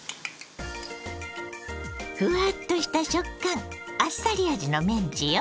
ふわっとした食感あっさり味のメンチよ。